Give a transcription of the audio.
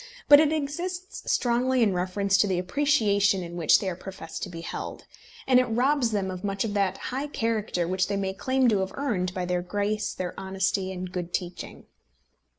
But it exists strongly in reference to the appreciation in which they are professed to be held; and it robs them of much of that high character which they may claim to have earned by their grace, their honesty, and good teaching.